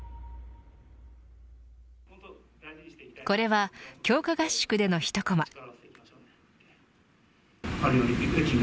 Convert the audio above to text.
これは強化合宿での一コマ。